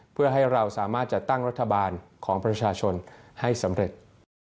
เพื่อให้เราสามารถจัดตั้งรัฐบาลของประชาชนให้สำเร็จ